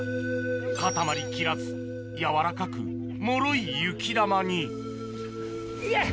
固まりきらずやわらかくもろい雪玉にいけ！